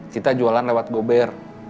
kita jualan lewat gober